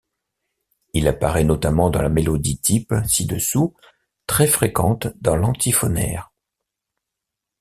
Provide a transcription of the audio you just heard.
Il apparaît notamment dans la mélodie-type ci-dessous, très fréquente dans l'antiphonaire.